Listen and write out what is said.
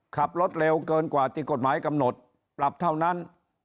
ขับรถเร็วเกินกว่าที่กฎหมายกำหนดปรับเท่านั้น